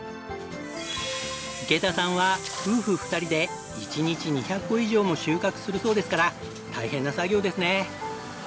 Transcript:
池田さんは夫婦２人で１日２００個以上も収穫するそうですから大変な作業ですね。